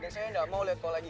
dan saya gak mau lihat kau lagi